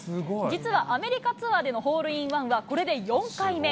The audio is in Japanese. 実は、アメリカツアーでのホールインワンは、これで４回目。